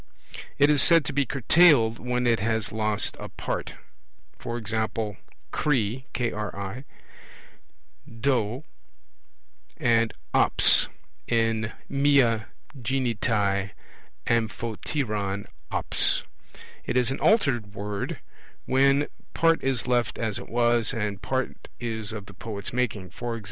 It is said to be curtailed, when it has lost a part; e.g. kri, do, and ops in mia ginetai amphoteron ops. It is an altered word, when part is left as it was and part is of the poet's making; e.g.